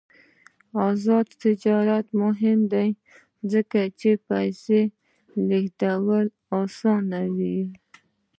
آزاد تجارت مهم دی ځکه چې پیسې لیږد اسانوي.